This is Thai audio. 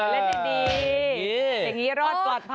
เล่นเองละกันทั้งค่ะ